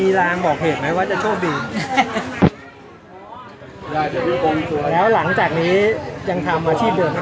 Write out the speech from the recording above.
มีรางบอกเหตุไหมว่าจะโชคดีแล้วหลังจากนี้ยังทำอาชีพเดิมครับ